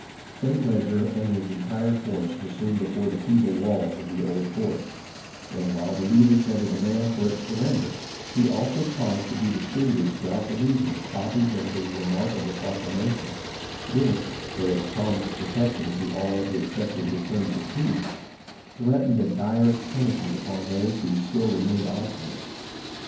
St. Leger and his entire force were soon before the feeble walls of the old fort ; and while the leader sent a de mand for its surrender, he also caused to be distributed throughout the region copies of his remarkable procla mation, which, though it promised protection to all who accepted his terms of peace, threatened the direst punish ment upon those who still remained obstinate.